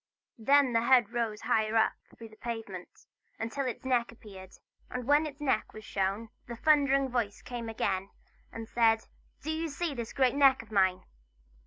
Then the head rose higher up through the pavement, until its neck appeared. And when its neck was shown, the thundering voice came again and said: "Do you see this great neck of mine?"